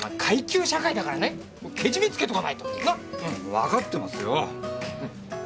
わかってますよ！